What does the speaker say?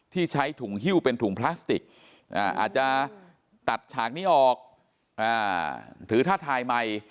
ใช้ถุงฮิ้วเป็นถุงพลาสติกอาจจะตัดฉากนี้ออกหรือถ้าถ่ายใหม่